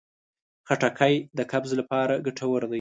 خټکی د قبض لپاره ګټور دی.